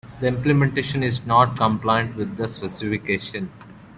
The implementation is not compliant with the specification.